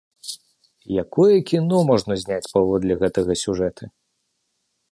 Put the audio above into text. Якое кіно можна зняць паводле гэтага сюжэта!